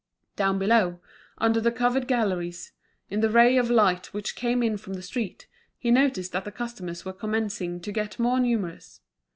Down below, under the covered galleries, in the ray of light which came in from the street, he noticed that the customers were commencing to get more numerous.